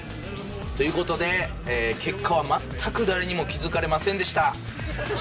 という事で結果は全く誰にも気付かれませんでした。